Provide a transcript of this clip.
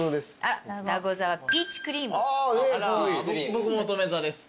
僕も乙女座です。